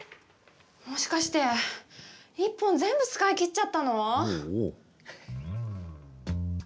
もしかして１本全部使いきっちゃったの？